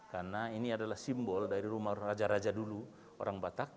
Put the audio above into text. karena ini adalah simbol dari rumah raja raja dulu orang batak